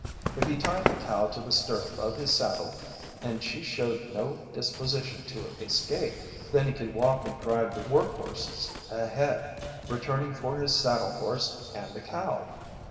If he tied the cow to the stirrup of his saddle and she showed no disposition to escape, then he could walk and drive the work horses ahead, returning for his saddle horse and the cow!